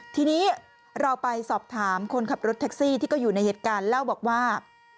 ทีนี้เราไปสอบถามคนขับรถแท็กซี่ที่ก็อยู่ในเหตุการณ์เล่าบอกว่า